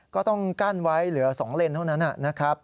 ก็ต้องกั้นไว้เหลือ๒เลนเท่านั้นนะครับ